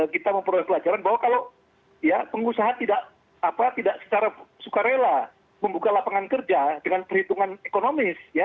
kita memperoleh pelajaran bahwa kalau pengusaha tidak secara sukarela membuka lapangan kerja dengan perhitungan ekonomis